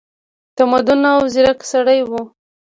متمدن او ځیرک سړی وو.